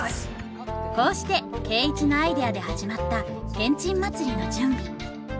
こうして圭一のアイデアで始まったけんちん祭りの準備。